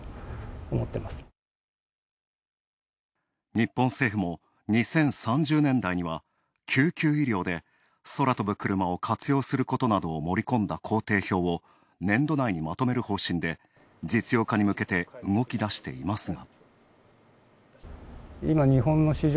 日本政府も２０３０年代には救急医療で空飛ぶクルマを活用することなどを盛り込んだ工程表を年度内にまとめる方針で、実用化に向けて動き出していますが。